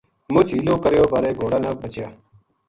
مُچ حیلو کریوبارے گھوڑا نہ بچیا